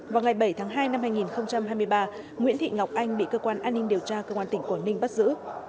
vào ngày bảy tháng hai năm hai nghìn hai mươi ba nguyễn thị ngọc anh bị cơ quan an ninh điều tra công an tỉnh quảng ninh bắt giữ